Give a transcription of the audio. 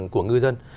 của ngư dân